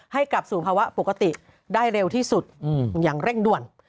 กลับสู่ภาวะปกติได้เร็วที่สุดอย่างเร่งด่วน